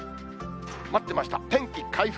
待ってました、天気回復。